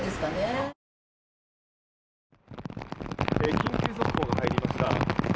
緊急速報が入りました。